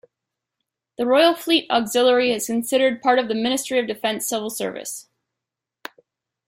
The Royal Fleet Auxiliary is considered part of the Ministry of Defence Civil Service.